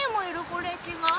これ違う？